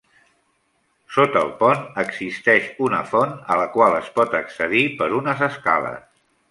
Sota el pont existeix una font, a la qual es pot accedir per unes escales.